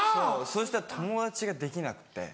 そしたら友達ができなくて。